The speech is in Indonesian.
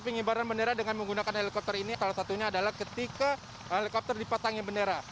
pengibaran bendera dengan menggunakan helikopter ini salah satunya adalah ketika helikopter dipasangin bendera